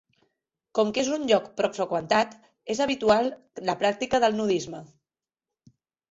Com que és un lloc poc freqüentat és habitual la pràctica del nudisme.